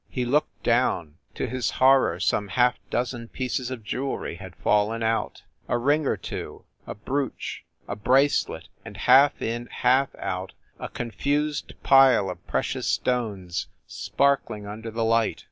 He looked down; to his horror some half dozen pieces of jewelry had fallen out a ring or two, a brooch, a bracelet, and, half in, half out, a con fused pile of precious stones, sparkling under the light.